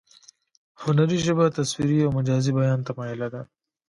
هنري ژبه تصویري او مجازي بیان ته مایله ده